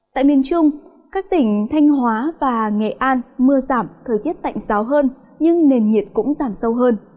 tại miền trung các tỉnh thanh hóa và nghệ an mưa giảm thời tiết tạnh giáo hơn nhưng nền nhiệt cũng giảm sâu hơn